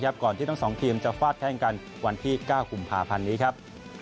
ก่อนที่ทั้งสองทีมจะฟาดแข้งกันวันที่๙กุมภาพันธ์นี้ครับ